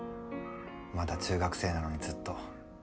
まだ中学生なのにずっと。